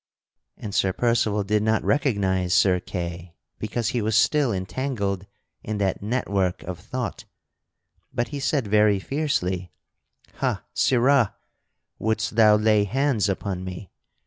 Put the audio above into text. And Sir Percival did not recognize Sir Kay because he was still entangled in that network of thought, but he said very fiercely: "Ha, sirrah! wouldst thou lay hands upon me!"